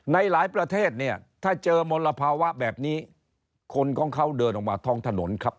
ในหลายประเทศเนี่ยถ้าเจอมลภาวะแบบนี้คนของเขาเดินออกมาท้องถนนครับ